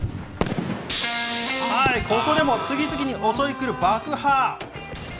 ここでも次々に襲い来る爆破。